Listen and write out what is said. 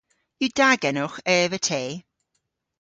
Yw da genowgh eva te?